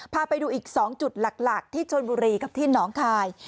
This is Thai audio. พาไปดูอีก๒จุดหลักที่ชนบุรีกับที่หนองคาย